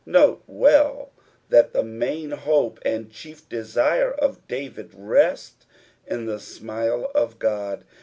Note well that the main hope and chief desire of David rest in the smile of God.